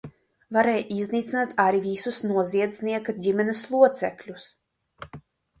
Varēja iznīcināt arī visus noziedznieka ģimenes locekļus.